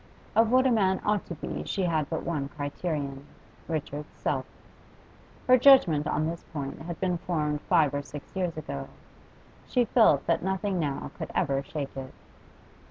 Of what a man ought to be she had but one criterion, Richard's self. Her judgment on this point had been formed five or six years ago; she felt that nothing now could ever shake it.